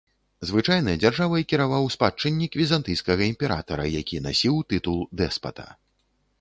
Звычайна дзяржавай кіраваў спадчыннік візантыйскага імператара, які насіў тытул дэспата.